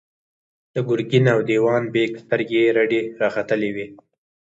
د ګرګين او دېوان بېګ سترګې رډې راختلې وې.